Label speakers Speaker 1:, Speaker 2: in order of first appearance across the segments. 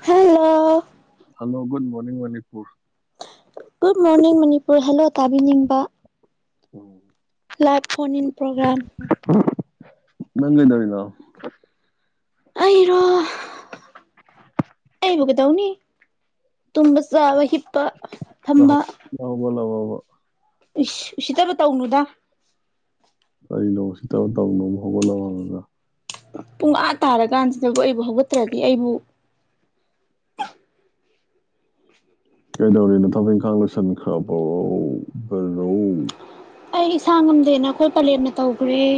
Speaker 1: Hello
Speaker 2: hello good morning Manipur
Speaker 1: good morning Manipur hello ꯇꯥꯕꯤꯅꯤꯡꯕ
Speaker 2: [inaudible]
Speaker 1: live phone in programme
Speaker 2: ꯅꯪ ꯀꯩꯗꯧꯔꯤꯅꯣ
Speaker 1: ꯑꯩꯔꯣ ꯑꯩꯕꯨ ꯀꯩꯗꯧꯅꯤ ꯇꯨꯝꯕ ꯆꯥꯕ ꯍꯤꯞꯄꯥ
Speaker 2: [unintelligible]
Speaker 1: ꯏꯁ ꯎꯁꯤꯠꯇꯕ ꯇꯧꯅꯨꯗ
Speaker 2: ꯀꯩꯅꯣ ꯎꯁꯤꯠꯇꯕ ꯇꯧꯅꯨꯕ‌ꯣ ꯍꯧꯒꯠ ꯂꯕ ꯍ‌ꯪꯉꯒꯥ
Speaker 1: ꯄꯨꯡ ꯑꯥ ꯇꯥꯔꯀꯥꯟꯁꯤꯗꯕꯨ ꯑꯩꯕꯨ ꯍꯧꯒꯠꯇ꯭ꯔꯗꯤ ꯑꯩꯕꯨ
Speaker 2: ꯀꯗꯧꯔꯤ ꯅ‌ꯣ ꯊꯕꯛ ꯏꯪꯈꯥꯡ ꯂꯣꯏꯁꯤꯟꯈ꯭ꯔꯕ‌ꯣ ꯕꯔ‌ꯣ
Speaker 1: ꯑꯩ ꯏꯁꯥ ꯉꯝꯗꯦꯅ ꯑꯩꯈꯣꯏ ꯄꯂꯦꯅ ꯇꯧꯒ꯭ꯔ‌ꯦ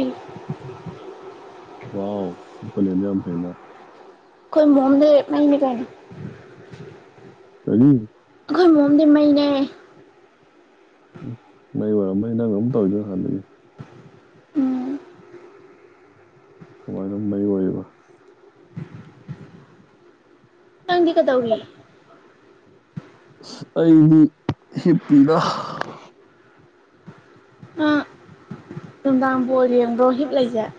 Speaker 2: ꯋꯥꯎ ꯅ‌‌ꯣꯏ ꯄꯂ‌ꯦꯝꯗꯤ ꯌꯥꯝ ꯐꯩꯅ
Speaker 1: ꯑꯈ‌ꯣꯏ ꯃꯣꯝꯗꯤ ꯃꯩꯅꯤ ꯀꯩꯅ‌ꯣ
Speaker 2: ꯀꯔꯤ
Speaker 1: ꯑꯈꯣꯏ ꯃ‌ꯣꯝꯗꯤ ꯃꯩꯅ‌ꯦ
Speaker 2: ꯎꯝ ꯃꯩ ꯑꯣꯏꯔꯝꯃꯅꯤ ꯅꯪ ꯑꯗꯨꯝ ꯇꯧꯔꯤꯗꯣ ꯍꯥꯟꯅ ꯗꯨꯝ
Speaker 1: ꯎꯝ
Speaker 2: ꯀꯃꯥꯏꯅ ꯃꯩ ꯑꯣꯏꯔꯤꯕꯥ
Speaker 1: ꯅꯪꯗꯤ ꯀꯩꯗꯧꯔꯤ
Speaker 2: ꯑꯩꯗꯤ ꯍꯤꯞꯄꯤꯗ
Speaker 1: ꯑ ꯅꯨꯡꯗꯥꯡ ꯕꯪꯜ ꯌꯦꯡꯕ꯭ꯔꯣ ꯍꯤꯞ ꯂꯩꯖ‌ꯦ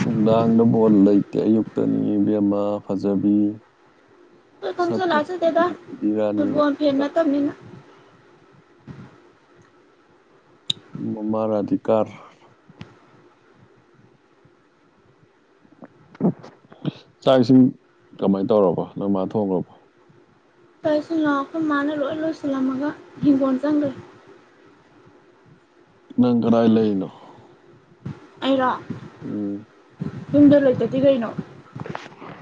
Speaker 2: ꯅꯨꯡꯗꯥꯡꯗ ꯕꯣꯜ ꯂꯩꯇꯦ ꯑꯌꯨꯛꯇꯅꯤ ꯏꯕꯦꯝꯃꯥ ꯐꯖꯕꯤ
Speaker 1: ꯑꯈꯣꯏ
Speaker 2: ꯁꯛ
Speaker 1: ꯈꯪꯖ
Speaker 2: ꯐꯖꯕꯤ
Speaker 1: ꯂꯥꯛꯆꯗꯦꯗ
Speaker 2: ꯔꯥꯅꯤ
Speaker 1: ꯐꯨꯠꯕ‌ꯣꯜ ꯐꯦꯟ ꯅꯠꯇꯝꯅꯤꯅ
Speaker 2: ꯃꯣꯝꯃꯔ ꯑꯗꯤꯀꯥꯔ ꯆꯥꯛ ꯏꯁꯤꯡ ꯀꯃꯥꯏ ꯇꯧꯔꯕ‌ꯣ ꯅ‌ꯣꯏ ꯃꯥ ꯊꯣꯡꯒꯔ ꯕ‌ꯣ
Speaker 1: ꯆꯥꯛ ꯏꯁꯤꯡ ꯂ‌ꯣ ꯈꯣꯏ ꯃꯥꯅ ꯂꯣꯏ ꯂꯣꯏꯁꯤꯜꯂꯝꯃꯒ ꯍꯤꯡꯒꯣꯟ ꯆꯪꯒꯔꯦ
Speaker 2: ꯅꯪ ꯀꯔꯥꯏ ꯂꯩꯏ ꯅꯣ
Speaker 1: ꯑꯩꯔ‌ꯣ
Speaker 2: ꯎꯝ
Speaker 1: ꯌꯨꯝꯗ ꯂꯩꯇꯗꯤ ꯀꯩꯅꯣ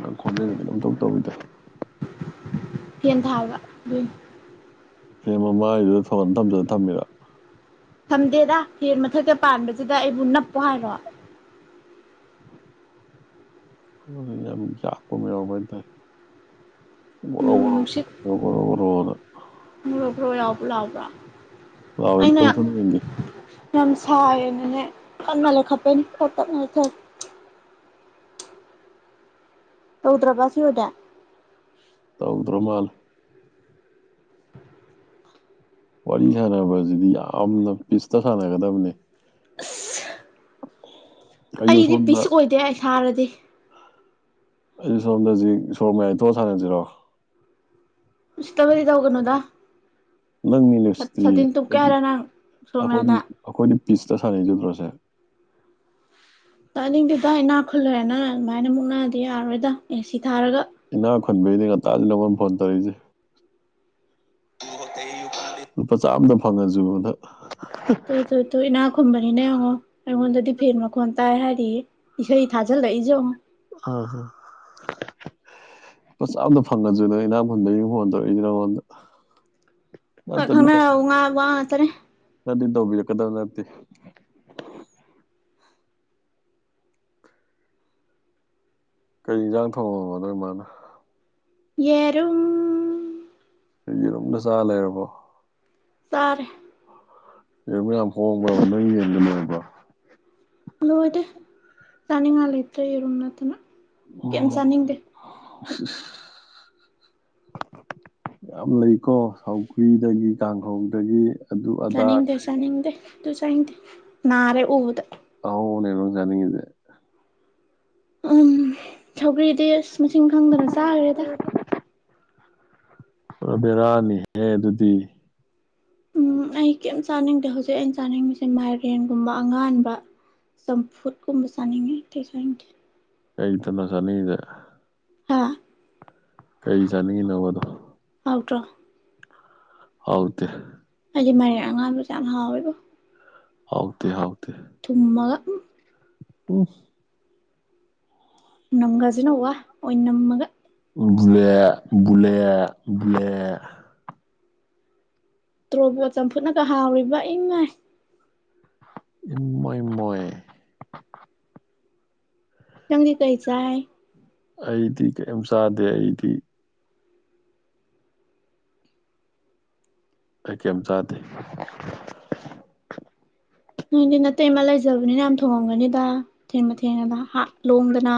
Speaker 2: ꯅ‌ꯪ ꯈꯣꯟꯖ‌ꯦꯟ ꯀꯩꯅꯣꯝ ꯏꯇꯧ ꯇꯧꯋꯤꯗꯥ
Speaker 1: ꯍꯦꯟ ꯊꯥꯕ ꯑꯗꯨꯏ ꯅ‌ꯦ
Speaker 2: ꯐ‌ꯦꯟ ꯃꯃꯥꯏ ꯗꯨꯗꯥ ꯐ‌ꯣꯟꯗ‌‌ꯣ ꯊꯝꯖꯟꯂ ꯊꯝꯃꯤꯔ‌ꯣ
Speaker 1: ꯊꯝꯗꯦꯗ ꯍꯦꯟ ꯃꯊꯛꯇ ꯄꯥꯟꯕꯖꯤꯗ ꯑꯩꯕꯨ ꯅꯞꯄꯣ ꯍꯥꯏꯔꯣ
Speaker 2: ꯌꯥꯝ ꯌꯥꯛꯄ ꯑꯃꯥ ꯌꯥꯎꯕ ꯍꯥꯏꯇꯥ ꯔ‌ꯦ ꯒ‌ꯣꯔ‌ꯣ
Speaker 1: ꯅꯣꯡ
Speaker 2: ꯒ‌ꯣꯔ‌ꯣ ꯒ‌ꯣꯔ‌ꯣ ꯒ‌ꯣꯔ‌ꯣ ꯒ‌ꯣꯔ‌ꯣꯅ
Speaker 1: ꯕ꯭‌ꯣꯔꯣ ꯕ‌ꯣ꯭ꯔ‌ꯣ ꯌꯥꯎꯕ ꯂꯥꯎꯕ꯭ꯔ‌ꯣ
Speaker 2: ꯂꯥꯎꯋ‌ꯦꯗ ꯃꯗ‌ꯪ ꯌ‌ꯦꯡꯒ‌ꯦ
Speaker 1: ꯌꯥꯝ ꯁꯥꯏꯌꯦꯅꯅꯦ ꯀꯟꯅ ꯂꯩꯈꯇꯞꯩꯅꯦ ꯈꯔꯥ ꯇꯞꯅꯥ ꯂꯩꯊ ꯇꯧꯗ꯭ꯔꯕ ꯁꯤ ꯑꯣꯏꯗꯤ
Speaker 2: ꯇꯧꯗ꯭ꯔꯥ ꯃꯥꯂ‌ꯦ ꯋꯥꯔꯤ ꯁꯥꯟꯅꯕꯁꯤꯗꯤ ꯌꯥꯝꯅ ꯄꯤꯁꯇ ꯁꯥꯟꯅꯒꯗꯕꯅꯦ ꯑꯩꯁꯨ
Speaker 1: ꯑꯩꯗꯤ
Speaker 2: ꯁꯣꯝꯗ
Speaker 1: ꯄꯤꯁ ꯑꯣꯏꯗꯦ ꯑꯩ ꯁꯔꯗꯤ
Speaker 2: ꯑꯩ ꯁꫭꯝꯗ ꯍꯧꯖꯤꯛ ꯁꫭꯔꯛ ꯃꯌꯥꯏ ꯊꫭꯛꯑꯒ ꯁꯅꯥꯁꯤꯔꫭ
Speaker 1: ꯎꯁꯤꯠꯇꯕꯗꯤ ꯇꯧꯒꯅꯨꯗ
Speaker 2: ꯅꯪꯅꯤꯅꯦꯁꯤꯗꯤ
Speaker 1: ꯁꯥꯇꯤꯟ ꯇꯨꯞꯀꯦ
Speaker 2: ꯑꯩꯈꯣꯏꯗꯤ
Speaker 1: ꯍꯥꯏꯔ ꯅꯪ ꯁꯣꯔ
Speaker 2: ꯑꯩꯈꯣꯏꯗꯤ
Speaker 1: ꯃꯌꯥꯗ
Speaker 2: ꯑꯩꯈꯣꯏꯗꯤ ꯄꯤꯁꯇ ꯁꯥꯟꯅꯩꯁꯦ ꯎꯗ꯭ꯔꫭ ꯁꯦ
Speaker 1: ꯇꯅꯤꯡꯗꯦꯗ ꯏꯅꯥꯛ ꯈꯨꯅꯂꯦꯅ ꯑꯗꯨꯃꯥꯏꯅ ꯃꯨꯛꯅꯥꯗꯤ ꯌꯥꯔꯣꯏꯗ ꯑꯦ ꯁꯤ ꯊꯥꯔꯒ
Speaker 2: ꯏꯅꯥꯛ ꯈꯨꯟꯕꯩꯅꯦ ꯉꯥꯛꯇꯥꯗ ꯅꯉꯣꯟ ꯐꯣꯟ ꯇꯧꯏꯁꯦ [inaudible] ꯂꯨꯄꯥ ꯆꯥꯝꯃꯗ ꯐꯪꯉꯁꯨꯅ
Speaker 1: [unintelligible] ꯇꯣ ꯏꯅꯥꯛ ꯈꯨꯨꯝꯕꯅꯤꯅ ꯌꯦꯡꯉꯣ ꯑꯩꯉꯣꯟꯗꯗꯤ ꯐꯦꯟ ꯃꯈꯣꯟ ꯇꯥꯏ ꯍꯥꯏꯔꯤꯌꯦ ꯏꯁꯩ ꯊꯥꯖꯤꯜꯂꯛꯏꯁꯦ ꯌꯦꯡꯉꯣ
Speaker 2: ꯑꯥ ꯍꯥ ꯂꯨꯄꯥ ꯆꯥꯝꯃꯗ ꯐꯪꯉꯁꯨꯅ ꯏꯅꯥꯛ ꯈꯨꯟꯕꯩꯅꯦ ꯐꫭꯟ ꯇꯧꯏꯁꯦ ꯅꯪꯑꫭꯟꯗ
Speaker 1: ꯍꯣꯏ
Speaker 2: ꯅꯠꯇꯔꯗꯤ ꯇꯥꯎꯕꯤ
Speaker 1: ꯈꯪꯅꯔꯕ ꯉꯥ ꯋꯥ ꯉꯥꯛꯇꯅꯦ
Speaker 2: ꯅꯠꯇꯔꯗꯤ ꯇꯥꯎꯕꯤꯔꯥꯛꯀꯗꯨꯕ ꯅꯠꯇꯦ ꯀꯩ ꯌꯦꯟꯖꯥꯡ ꯊꫭꯡꯉꯕ ꯅꯣꯏ ꯃꯥꯅ
Speaker 1: ꯌꯦꯔꯨꯝ
Speaker 2: ꯌꯦꯔꯨꯝꯗ ꯆꯥ ꯂꯩꯔꯕꯣ
Speaker 1: ꯆꯔꯦ
Speaker 2: ꯌꯦꯔꯨꯝ ꯌꯥꯝ ꯍꯣꯡꯕ꯭ꯔꯕ ꯅꯣꯏ ꯌꯦꯟ ꯂꯣꯏꯕ꯭ꯔꯣ
Speaker 1: ꯂꯣꯏꯗꯦ ꯆꯥꯅꯤꯡꯉꯥꯏ ꯂꯩꯇ꯭ꯔꯦ ꯌꯦꯔꯨꯝ ꯅꯠꯇꯅ
Speaker 2: ꯑꫭ
Speaker 1: ꯀꯩꯝ ꯆꯥꯅꯤꯡꯗꯦ
Speaker 2: ꯏꯁ ꯏꯁ [unintelligible] ꯌꯥꯝ ꯂꯩꯀꯣ ꯁꯧꯒ꯭ꯔꯤꯗꯒꯤ ꯀꯥꯡꯍꯧꯗꯒꯤ ꯑꯗꯨ ꯑꯗꯥ
Speaker 1: ꯆꯅꯤꯡꯗꯦ ꯆꯅꯤꯡꯗꯦ ꯑꯗꯨ ꯆꯅꯤꯡꯗꯦ ꯅꯥꯔꯦ ꯎꯕꯗ
Speaker 2: ꯑꯍꯧꯕꯅꯦꯕ ꯅꯪ ꯆꯅꯤꯡꯉꯤꯁꯦ
Speaker 1: ꯎꯝ ꯁꯧꯒ꯭ꯔꯤꯗꯤ ꯑꯁ ꯃꯁꯤꯡ ꯈꯪꯗꯅ ꯆꯥꯈ꯭ꯔꯦꯗ
Speaker 2: ꯄꯨꯔ ꯕꯦꯔꯥꯅꯤꯍꯦ ꯑꯗꯨꯗꯤ
Speaker 1: ꯎꯝ ꯑꯩ ꯀꯩꯝ ꯆꯥꯅꯤꯡꯗꯦ ꯍꯧꯖꯤꯛ ꯑꯩꯅ ꯆꯥꯅꯤꯡꯉꯤꯁꯦ ꯃꯥꯏꯔꯦꯟꯒꯨꯝꯕ ꯑꯉꯥꯟꯕ ꯆꯥꯝꯐꯨꯠ ꯀꯨꯝꯕ ꯆꯥꯅꯤꯡꯉꯦ ꯑꯇꯩ ꯆꯥꯅꯤꯡꯗꯦ
Speaker 2: ꯑꯩꯇꯅ ꯆꯅꯤꯡꯏꯁꯦ
Speaker 1: ꯍꯥ
Speaker 2: ꯀꯩ ꯆꯥꯅꯤꯡꯉꯤꯅꯣꯕ ꯑꯗꯣ
Speaker 1: ꯍꯥꯎꯇ꯭ꯔꯣ
Speaker 2: ꯍꯥꯎꯇꯦ
Speaker 1: ꯑꯩꯗꯤ ꯃꯔꯦꯛ ꯑꯉꯥꯡꯕꯁꯦ ꯌꯥꯝ ꯍꯥꯎꯋꯦꯕꯣ
Speaker 2: ꯍꯥꯎꯇꯦ ꯍꯥꯎ
Speaker 1: ꯊꯨꯝꯃꯒ ꯎꯝ
Speaker 2: ꯎꯝ
Speaker 1: ꯅꯝꯒꯁꯤꯅ ꯋꯥ ꯑꯣꯏꯅꯝꯃꯒ
Speaker 2: ꯕꯨꯂꯦ ꯕꯨꯂꯦ ꯕꯨꯂꯦ
Speaker 1: ꯇ꯭ꯨꯔꯣꯕꯣꯠ ꯆꯝꯐꯨꯠꯅꯒ ꯍꯥꯎꯔꯤꯕ ꯏꯃꯥꯏ
Speaker 2: ꯏꯃꯥꯏ ꯃꯣꯏ
Speaker 1: ꯅꯪꯗꯤ ꯀꯔꯤ ꯆꯥꯏ
Speaker 2: ꯑꯩꯗꯤ ꯀꯩꯝ ꯆꯥꯗꯦ ꯑꯩꯗꯤ ꯑꯩ ꯀꯔꯥꯝ ꯆꯥꯗꯦ
Speaker 1: ꯅꯣꯏꯗꯤ ꯅꯇꯩꯃꯥ ꯂꯩꯖꯕꯅꯤꯅ ꯌꯥꯝ ꯊꯣꯡꯉꯝꯒꯅꯤꯗ ꯊꯦꯡ ꯃꯊꯦꯡꯒꯥꯗꫭ ꯍꯥꯞ ꯂꯣꯡꯗꯅ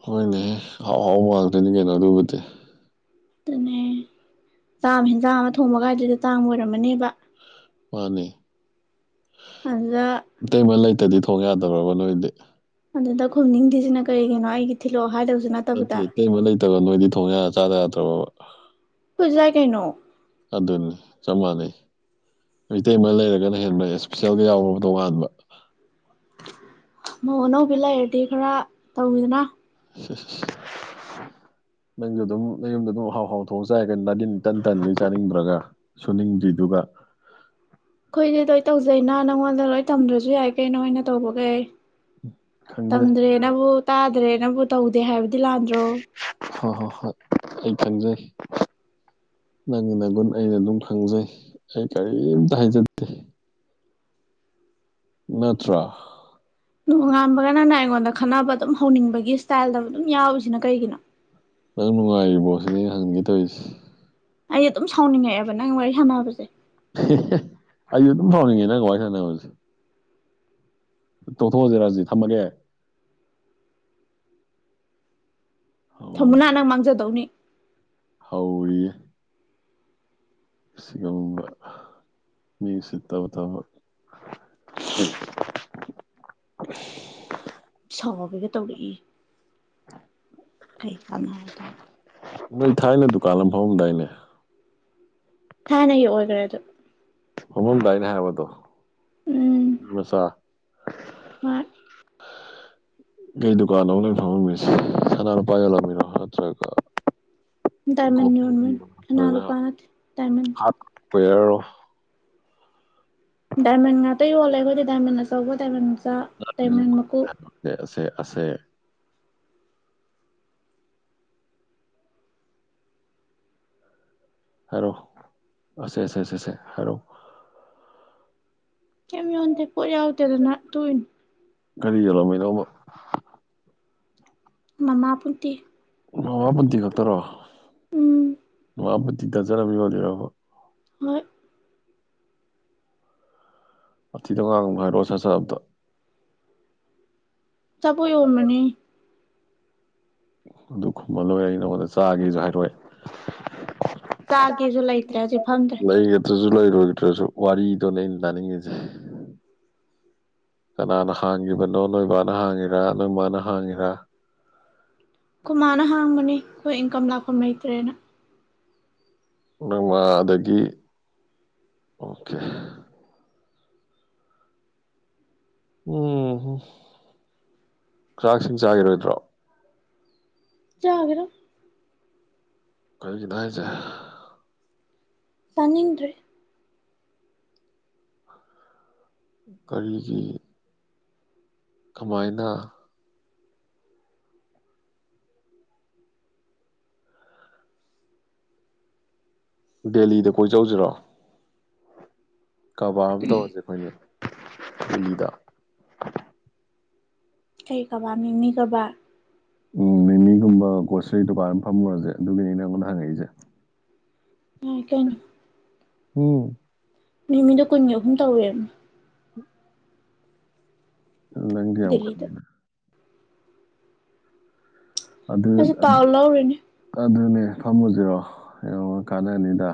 Speaker 2: ꯑꯩꯈꯣꯏꯅꯦꯍ ꯑꯥꯎ ꯍꯥꯎꯕ ꯉꯥꯛꯇꯅꯤ ꯀꯩꯅꯣ ꯑꯗꯨꯕꯨꯗꯤ
Speaker 1: ꯑꯗꯨꯅꯦ ꯆꯥꯝ ꯑꯃ ꯍꯦꯟꯖꯥꯡ ꯑꯃ ꯊꯣꯡꯕ ꯀꯥꯏꯗꯨꯗ ꯇꯥꯡ ꯑꯣꯏꯔꯝꯃꯅꯦꯕ
Speaker 2: ꯃꯥꯅꯦ
Speaker 1: ꯑꯗꯥ
Speaker 2: ꯏꯇꯩꯃ ꯂꯩꯇꯗꯤ ꯊꯣꯡ ꯌꯥꯗ꯭ꯔꯕ ꯅꯣꯏꯗꯤ
Speaker 1: ꯑꯗꯨꯗ ꯈꯣꯝꯅꯤꯡꯗꯁꯤꯅ ꯀꯔꯤꯒꯤꯅꯣ ꯑꯩꯒꯤ ꯊꯤꯜꯂꯛꯑꯣ ꯍꯥꯏꯗꯕꯁꯨ ꯅꯠꯇꯕꯗ
Speaker 2: ꯀꯩꯕ ꯂꯩꯇꯕ ꯅꯣꯏꯗꯤ ꯊꯣꯡ ꯆꯥꯗ ꯌꯥꯗ꯭ꯔꯕ
Speaker 1: ꯐꯖꯥꯏ ꯀꯩꯅꯣ
Speaker 2: ꯑꯗꯨꯅꯤ ꯆꯞ ꯃꯥꯟꯅꯩ ꯚꯦꯖꯤꯇꯦꯕꯜ ꯂꯩꯔꯒꯅ ꯍꯦꯟꯕ ꯏꯁꯄꯤꯁꯦꯜꯒ ꯌꯥꯎꯅꯕ ꯇꯣꯉꯥꯟꯕ
Speaker 1: ꯃ ꯑꯅꯧꯕꯤ ꯂꯩꯔꯗꯤ ꯈꯔ ꯇꯧꯋꯤꯗꯅ
Speaker 2: [inaudible] ꯅꯪꯁꯨ ꯑꯗꯨꯝ ꯑꯩ ꯌꯨꯝꯗ ꯑꯗꯨꯝ ꯍꯥꯎ ꯍꯥꯎꯊꯣꯡ ꯆꯥꯏ ꯀ ꯅꯥꯗꯤꯟ ꯇꯟ ꯇꯟꯗꯤ ꯆꯥꯅꯤꯡꯗ꯭ꯔꯒ ꯁꯨꯅꯤꯡꯗ꯭ꯔꯤꯗꯨꯒ
Speaker 1: ꯑꯩꯈꯣꯏꯗꯤ ꯂꯣꯏ ꯇꯧꯖꯩꯅ ꯅꯪꯉꯣꯟꯗ ꯂꯣꯏ ꯇꯝꯗ꯭ꯔꯁꯨ ꯌꯥꯏ ꯀꯩ ꯅꯣꯏꯅ ꯇꯧꯕꯈꯩ ꯑꯩ
Speaker 2: ꯈꯪꯖꯩ
Speaker 1: ꯇꯝꯗ꯭ꯔꯦꯅꯕꯨ ꯇꯥꯗ꯭ꯔꯦꯅꯕꯨ ꯇꯧꯗꯦ ꯍꯥꯏꯕꯗꯤ ꯂꯥꯟꯗ꯭ꯔꯣ
Speaker 2: ꯍꯣꯏ ꯍꯣꯏ ꯍꯣꯏ ꯑꯩ ꯆꯪꯖꯩꯦ ꯅꯪꯒꯤ ꯅꯒꯨꯟ ꯑꯩꯅ ꯑꯗꯨꯝ ꯈꯪꯖꯩ ꯑꯩ ꯀꯔꯤꯝꯇ ꯍꯥꯏꯖꯗꯦ ꯅꯠꯇ꯭ꯔ
Speaker 1: ꯅꯣꯡꯉꯥꯟꯕꯒꯅꯅ ꯑꯩꯉꯣꯟꯗ ꯈꯠꯅꯕ ꯑꯗꯨꯝ ꯍꯧꯅꯤꯡꯕꯒꯤ ꯁ꯭ꯇꯥꯏꯜꯗ ꯑꯗꯨꯝ ꯌꯥꯎꯔꯤꯁꯤꯅ ꯀꯩꯒꯤꯅꯣ
Speaker 2: ꯅꯪ ꯅꯨꯡꯉꯥꯏꯔꯤꯕ ꯄꯣꯠꯁꯤꯅꯦ ꯑꯩꯅ ꯍꯪꯒꯦ ꯇꯧꯔꯤꯁꯦ
Speaker 1: ꯑꯩ ꯑꯗꯨꯝ ꯁꯥꯎꯅꯤꯡꯉꯛꯑꯦꯕ ꯅꯪ ꯋꯥꯔꯤ ꯁꯥꯟꯅꯕꯁꯦ
Speaker 2: ꯑꯩꯁꯨ ꯑꯗꯨꯝ ꯐꯥꯎꯅꯤꯡꯉꯦ ꯅꯪꯒ ꯋꯥꯔꯤ ꯁꯥꯟꯅꯕꯁꯦ ꯇꯧꯊꯣꯛꯑꯁꯦ ꯔꯥꯖꯤꯠ ꯊꯝꯃꯒꯦ
Speaker 1: ꯊꯝꯃꯨꯅꯥ ꯅꯪ ꯃꯥꯡꯖꯗꯧꯅꯤ
Speaker 2: ꯍꯧꯔꯤ ꯁꯤꯒꯨꯝꯕ ꯃꯤꯁꯤ ꯇꯕ ꯇꯕ
Speaker 1: ꯁꯥꯎꯒꯒ ꯇꯧꯔꯛꯏ ꯀꯩ ꯇꯥꯟꯅꯔꯗꯣꯏꯅ
Speaker 2: ꯅꯣꯏ ꯊꯥꯏꯅ ꯗꯨꯀꯥꯟ ꯑꯃ ꯐꯥꯎꯑꯝꯗꯥꯏꯅꯦ
Speaker 1: ꯊꯥꯏꯅꯒꯤ ꯑꯣꯏꯈ꯭ꯔꯦꯗꯣ
Speaker 2: ꯍꯣꯡꯉꯝꯗꯥꯏꯅꯦ ꯍꯥꯏꯕ ꯑꯗꯣ ꯃꯤꯃꯆꯥ꯫
Speaker 1: ꯃꯥꯏꯠ꯫
Speaker 2: ꯀꯩ ꯗꯨꯀꯥꯟꯅꯣꯕ ꯅꯣꯏ ꯐꯃꯝꯃꯤꯖꯦ ꯁꯅꯥ ꯂꯨꯄꯥ ꯌꯣꯜꯂꯝꯃꯤꯔꯣ ꯅꯠꯇ꯭ꯔꯒ
Speaker 1: ꯗꯥꯏꯃꯟ ꯌꯣꯟꯕꯅꯤ ꯁꯅꯥ ꯂꯨꯄꯥ
Speaker 2: [unintelligible]
Speaker 1: ꯅꯠꯇꯦ ꯗꯥꯏꯃꯟ
Speaker 2: ꯍꯥꯠ ꯋꯥꯌꯥꯔꯔꯣ
Speaker 1: ꯗꯥꯏꯃꯟ ꯉꯥꯛꯇ ꯌꯣꯜꯂꯦ ꯑꯩꯈꯣꯏꯗꯤ ꯗꯥꯏꯃꯟ ꯑꯆꯧꯕ ꯗꯥꯏꯃꯟ ꯃꯆꯥ ꯗꯥꯏꯃꯟ ꯃꯀꯣꯛ
Speaker 2: ꯁꯦ ꯑꯁꯦ ꯑꯁꯦ ꯍꯥꯏꯔꯣ ꯑꯦꯁꯦꯁꯦꯁꯦꯁꯦ ꯍꯥꯏꯔꯣ
Speaker 1: ꯀꯏꯝ ꯌꯣꯟꯗꯦ ꯄꯣꯠ ꯌꯥꯥꯎꯗꯦꯗꯅ ꯇꯣꯛꯏꯅꯤ
Speaker 2: ꯀꯔꯤ ꯌꯦꯂꯝꯃꯤꯅꯣꯕ
Speaker 1: ꯃꯃꯥꯄꯨꯟꯇꯤ
Speaker 2: ꯃꯃꯥꯄꯨꯟꯇꯤ ꯈꯛꯇꯔꯣ
Speaker 1: ꯎꯝ
Speaker 2: ꯃꯃꯥꯄꯨꯟꯇꯤ ꯗꯔꯖꯟ ꯑꯃ ꯌꯣꯜꯂꯤꯔꯕ
Speaker 1: ꯃꯣꯏ
Speaker 2: ꯋꯥꯊꯤꯗꯣ ꯉꯥꯡꯉꯅꯣ ꯍꯥꯏꯔꯛꯣ ꯁꯠ ꯁꯠ ꯑꯝꯇ
Speaker 1: ꯑꯆꯥꯄꯣꯠ ꯌꯣꯟꯕꯅꯤ
Speaker 2: ꯑꯗꯨ ꯈꯨꯝꯃ ꯂꯣꯏꯔꯦ ꯑꯩ ꯅꯉꯣꯟꯗ ꯆꯥꯒꯦꯖꯨ ꯍꯥꯏꯔꯛꯑꯣꯏ
Speaker 1: ꯆꯥꯒꯦꯁꯨ
Speaker 2: ꯆꯥꯛꯇꯤ
Speaker 1: ꯂꯩꯇ꯭ꯔꯦ ꯍꯧꯖꯤꯛ ꯐꯝꯗ꯭ꯔꯦ
Speaker 2: [unintelligible] ꯂꯩꯌꯦꯞ ꯑꯗꯨꯖꯨ ꯂꯩꯔꯣꯏꯗ꯭ꯔꯖꯨ ꯋꯥꯔꯤꯗꯣꯅꯦ ꯑꯩꯅ ꯇꯥꯅꯤꯡꯉꯤꯖꯦ ꯀꯅꯥꯅ ꯍꯥꯡꯉꯤꯕꯅꯣ ꯅꯣꯏꯕꯥꯅ ꯍꯥꯡꯉꯤꯔꯥ ꯅꯣꯏ ꯃꯥꯅ ꯍꯥꯡꯉꯤꯔꯥ
Speaker 1: ꯑꯩꯈꯣꯏ ꯃꯥꯅ ꯍꯥꯡꯕꯅꯤ ꯑꯩꯈꯣꯏ ꯏꯟꯀꯝ ꯂꯥꯛꯐꯝ ꯂꯩꯇ꯭ꯔꯦꯅ
Speaker 2: ꯅꯪ ꯃꯥꯗꯒꯤ ꯑꯣꯀꯦ ꯎꯝ ꯆꯥꯛꯏꯁꯤꯡ ꯆꯥꯒꯤꯔꯣꯏꯗ꯭ꯔꯣ
Speaker 1: ꯆꯥꯒꯤꯔꯣꯏ
Speaker 2: ꯀꯔꯤꯒꯤꯅꯣ ꯍꯥꯏꯖꯦ
Speaker 1: ꯇꯅꯤꯡꯗ꯭ꯔꯦ
Speaker 2: ꯀꯔꯤꯒꯤ ꯀꯃꯥꯏꯅ ꯗꯦꯂꯤꯗ ꯀꯣꯏ ꯆꯧꯖꯤꯔꯣ ꯀꯕꯥꯔ ꯑꯃ ꯇꯧꯔꯖꯦ ꯑꯩꯈꯣꯏ ꯑꯅꯤ ꯗꯦꯂꯤꯗ
Speaker 1: ꯀꯩ ꯀꯥꯕꯔ ꯃꯤꯃꯤ ꯀꯥꯕꯔ
Speaker 2: ꯎꯝ ꯃꯤꯃꯤꯒꯨꯝꯕ ꯒꯣꯁꯔꯤ ꯗꯨꯀꯥꯟ ꯑꯃ ꯐꯝꯃꯨꯔꯖꯦ ꯑꯗꯨꯒꯤꯅꯤꯅ ꯅꯉꯣꯟꯗ ꯍꯪꯉꯛꯏꯖꯦ
Speaker 1: ꯌꯥꯏ ꯀꯩꯅꯣ
Speaker 2: ꯎꯝ
Speaker 1: ꯃꯤꯃꯤꯗꯣ ꯀꯨꯟꯒꯤ ꯑꯍꯨꯝ ꯇꯧꯋꯦꯕꯅꯤ
Speaker 2: ꯅꯪꯗꯤ ꯌꯥꯝ [unintelligible]
Speaker 1: ꯗꯦꯜꯂꯤꯗ
Speaker 2: ꯈꯠꯅꯤꯅ ꯑꯗꯨ
Speaker 1: ꯑꯩꯁꯨ ꯄꯥꯎ
Speaker 2: [unintelligible]
Speaker 1: ꯂꯧꯔꯤꯅꯦ
Speaker 2: ꯑꯗꯨꯅꯦ ꯐꯝꯃꯨꯖꯤꯔꯣ ꯌꯥꯝ ꯀꯥꯟꯅꯅꯤꯗ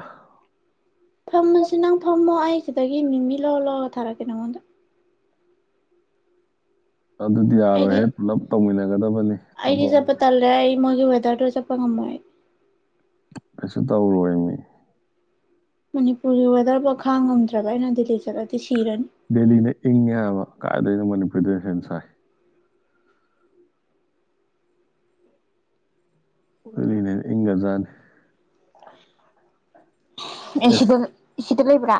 Speaker 1: ꯐꯝꯃꯁꯨ ꯅꯪ ꯐꯝꯃꯣ ꯑꯩ ꯁꯤꯗꯒꯤ ꯃꯤꯃꯤ ꯂꯧꯔ ꯂꯧꯔꯒ ꯊꯥꯔꯛꯀꯦ ꯅꯪꯉꯣꯟꯗ
Speaker 2: ꯑꯗꯨꯗꯤ ꯌꯥꯔꯣꯏꯍꯦ
Speaker 1: ꯑꯩꯗꯤ
Speaker 2: ꯄꯨꯂꯞ ꯇꯧꯃꯤꯟꯅꯒꯗꯕꯅꯤ
Speaker 1: ꯑꯩꯗꯤ
Speaker 2: ꯊꯕꯛ
Speaker 1: ꯆꯠꯄ ꯇꯜꯂꯦ ꯑꯩ ꯃꯣꯏꯒꯤ ꯋꯦꯗꯔꯗꯣ ꯆꯠꯄ ꯉꯝꯃꯣꯏ
Speaker 2: ꯀꯩꯁꯨ ꯇꯧꯔꯣꯏ ꯃꯤ
Speaker 1: ꯃꯅꯤꯄꯨꯔꯒꯤ ꯋꯦꯗꯔꯐꯥꯎ ꯈꯥꯡ ꯉꯝꯗ꯭ꯔꯕ ꯑꯩꯅ ꯗꯦꯜꯂꯤ ꯆꯠꯂꯗꯤ ꯁꯤꯔꯅꯤ
Speaker 2: ꯗꯦꯜꯂꯤꯅ ꯏꯪꯉꯦ ꯍꯥꯏꯕ ꯀꯥꯏꯗꯩꯅꯣ ꯃꯅꯤꯄꯨꯔꯗꯅ ꯍꯦꯟꯅ ꯁꯥꯏ ꯗꯦꯂꯤꯅ ꯍꯦꯟꯅ ꯏꯪꯒ꯭ꯔꯖꯥꯠꯅꯤ
Speaker 1: ꯑꯦꯁꯤꯗ
Speaker 2: ꯑꯦꯁ
Speaker 1: ꯁꯤꯗ ꯂꯩꯕ꯭ꯔꯥ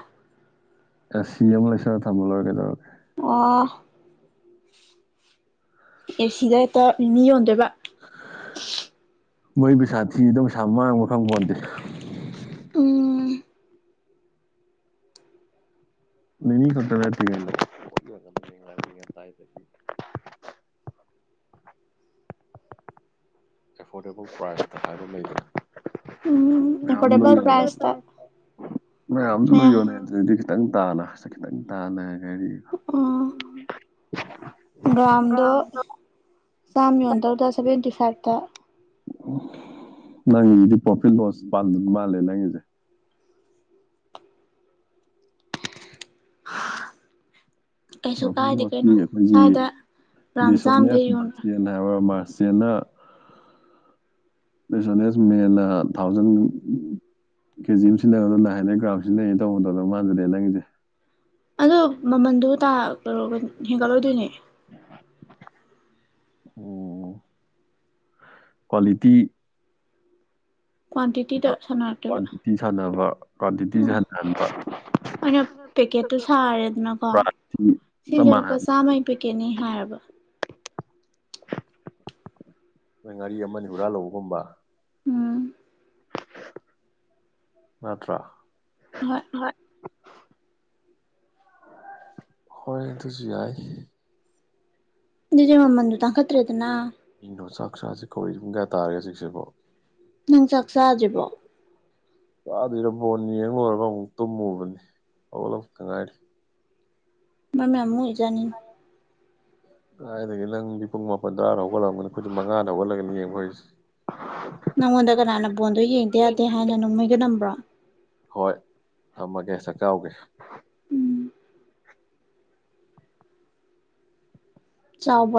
Speaker 2: ꯑꯦ ꯁꯤ ꯑꯦꯝ ꯂꯥꯏꯁꯜꯂ ꯊꯥꯝꯃꯂꯣꯏꯔꯦ ꯀꯩꯗꯧꯔꯒꯦ
Speaker 1: ꯑꯣ ꯑꯦꯁꯤꯗ ꯍꯦꯛꯇ ꯃꯤꯃꯤ ꯌꯣꯟꯗꯣꯏꯕ
Speaker 2: ꯃꯩ ꯄꯩꯁꯥ ꯊꯤꯕꯗ ꯄꯩꯁꯥ ꯃꯥꯡꯕꯔ ꯈꯪ ꯄꯣꯟꯇꯦ
Speaker 1: ꯎꯝ
Speaker 2: ꯃꯤꯃꯤ ꯈꯛꯇ ꯅꯠꯇꯦ [unintelligible] ꯑꯦꯐꯣꯔꯗꯦꯕꯜ ꯄ꯭ꯔꯥꯏꯖꯇ ꯍꯥꯏꯕꯝ ꯂꯩꯗꯅ
Speaker 1: ꯎꯝ ꯑꯦꯐꯣꯔꯗꯦꯕꯜ ꯄ꯭ꯔꯥꯏꯁꯇ ꯑꯦ
Speaker 2: [unintelligible] ꯑꯗꯨꯗꯩꯗꯤ ꯈꯤꯇꯪ ꯇꯥꯅ ꯈꯤꯇꯪ ꯇꯥꯅ ꯒꯥꯔꯤ
Speaker 1: ꯎꯝ
Speaker 2: [unintelligible]
Speaker 1: ꯒ꯭ꯔꯥꯝꯗꯣ ꯆꯥꯝꯃ ꯌꯣꯟꯗꯧꯗ ꯁꯚꯦꯟꯇꯤ ꯐꯥꯏꯚꯇ
Speaker 2: ꯅꯪꯒꯤꯒꯤꯗꯨꯗꯤ ꯄ꯭ꯔꯣꯐꯤꯠ ꯂꯣꯁ ꯄꯥꯟꯗꯅ ꯃꯥꯜꯂꯦ ꯅꯪꯒꯤꯁꯦ
Speaker 1: [unintelligible] ꯀꯩꯁꯨ
Speaker 2: ꯄ꯭ꯔꯣꯐꯤꯠ
Speaker 1: ꯀꯥꯏꯗꯦ
Speaker 2: ꯂꯣꯁꯀꯤ
Speaker 1: ꯀꯩꯅꯣ
Speaker 2: ꯑꯩꯈꯣꯏꯒꯤ
Speaker 1: ꯁ꯭ꯋꯥꯏꯗ ꯒ꯭ꯔꯥꯝ ꯆꯥꯝꯗ ꯌꯣꯟꯕ꯭ꯔꯥ
Speaker 2: ꯀꯅ ꯍꯥꯏꯕ ꯃꯥꯁꯦꯅ ꯁꯁ ꯃꯦꯜꯂ ꯊꯥꯎꯖꯟ ꯀꯦꯖꯤ ꯑꯃ ꯁꯤꯖꯤꯟꯅꯒꯗ ꯅꯥꯏꯟ ꯍꯟꯗ꯭ꯔꯦꯗ ꯒ꯭ꯔꯥꯝ ꯁꯤꯖꯤꯟꯅꯩ ꯇꯧꯕꯗꯣ ꯑꯗꯨ ꯃꯥꯟꯖꯜꯂꯛꯑꯦ ꯅꯪꯁꯦ
Speaker 1: ꯑꯗꯣ ꯃꯃꯟꯗꯣ ꯇꯥ ꯀꯩꯅꯣ ꯍꯦꯟꯒꯠꯂꯣꯏꯗꯣꯏꯅꯦ
Speaker 2: ꯑꯣ ꯀ꯭ꯋꯥꯂꯤꯇꯤ
Speaker 1: ꯀ꯭ꯋꯥꯟꯇꯤꯇꯤꯗ ꯁꯥꯟꯅꯔꯛꯇꯣꯏꯕ
Speaker 2: ꯀ꯭ꯋꯥꯟꯇꯤꯇꯤ ꯁꯥꯟꯅꯕ ꯀ꯭ꯋꯥꯟꯇꯤꯇꯤꯁꯦ
Speaker 1: ꯎꯝ
Speaker 2: ꯍꯟꯊꯍꯟꯕ
Speaker 1: ꯑꯩꯅ ꯄꯦꯛꯀꯦꯠꯇꯨ ꯁꯥꯔꯦꯗꯅꯀꯣ
Speaker 2: ꯄ꯭ꯔꯥꯏꯁꯇꯤ ꯆꯞ
Speaker 1: ꯁꯤꯁꯦ ꯂꯨꯄꯥ
Speaker 2: ꯃꯥꯟꯅꯍꯟꯕ
Speaker 1: ꯆꯥꯝꯃ ꯄꯤꯀꯦꯅꯤ ꯍꯥꯏꯔꯕ
Speaker 2: ꯅꯣꯏ ꯉꯥꯔꯤ ꯑꯃ ꯍꯨꯔꯥꯟ ꯂꯧꯕꯒꯨꯝꯕ
Speaker 1: ꯎꯝ
Speaker 2: ꯅꯠꯇ꯭ꯔꯣ ꯍꯣꯏ ꯍꯣꯏ ꯑꯗꯨꯁꯨ ꯌꯥꯏ
Speaker 1: ꯑꯗꯨꯗꯤ ꯃꯃꯟꯗꯨ ꯇꯥꯡꯈꯠꯇ꯭ꯔꯦꯗꯅ
Speaker 2: ꯑꯩꯅꯣ ꯆꯥꯛ ꯆꯁꯤ ꯀꯧꯏ ꯄꯨꯡ ꯀꯌꯥ ꯇꯥꯔꯒꯦ ꯍꯧꯖꯤꯁꯤꯕꯣ
Speaker 1: ꯅꯪ ꯆꯥꯛ ꯆꯥꯗ꯭ꯔꯤꯕꯣ
Speaker 2: ꯆꯥꯗ꯭ꯔꯤꯗ ꯕꯣꯟ ꯌꯦꯡ ꯂꯣꯏꯔꯒ ꯑꯃꯨꯛ ꯇꯨꯝꯃꯨꯕꯅꯤ ꯍꯧꯒꯠꯂꯛꯄꯗ ꯉꯥꯏꯔꯤ
Speaker 1: ꯃꯔꯝ ꯌꯥꯝ ꯃꯣꯛ ꯏ ꯖꯥꯠꯅꯤꯅꯦ
Speaker 2: [inaudible] ꯀꯥꯏꯗꯒꯤ ꯅꯪꯗꯤ ꯄꯨꯡ ꯃꯥꯄꯟ ꯇꯔꯥꯗ ꯍꯧꯒꯠꯂꯝꯒꯅꯤ ꯈꯣꯏꯗꯤꯟ ꯃꯉꯥꯗ ꯍꯧꯒꯠꯂꯒꯅꯤ ꯌꯦꯡꯕ ꯍꯧꯔꯤꯖꯤ [unintelligible]
Speaker 1: ꯅꯪꯉꯣꯟꯗ ꯀꯅꯥꯅ ꯕꯣꯟꯗꯣ ꯌꯦꯡꯗ ꯌꯥꯗꯦ ꯍꯥꯏꯅ ꯅꯣꯡꯃꯩꯒ ꯅꯝꯕ꯭ꯔꯣ
Speaker 2: ꯍꯣꯏ ꯊꯝꯃꯒꯦ ꯆꯥꯛ ꯆꯥꯥꯎꯒꯦ
Speaker 1: ꯎꯝ ꯆꯥꯎꯕ